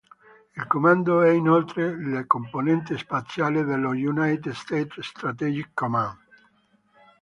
Il comando è inoltre la componente spaziale dello United States Strategic Command.